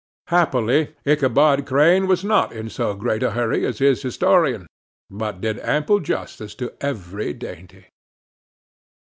Happily, Ichabod Crane was not in so great a hurry as his historian, but did ample justice to every dainty.